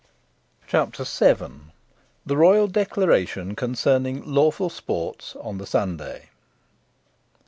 CHAPTER VII. THE ROYAL DECLARATION CONCERNING LAWFUL SPORTS ON THE SUNDAY.